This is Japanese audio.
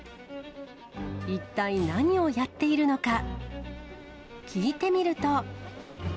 一体何をやっているのか、聞いてみると。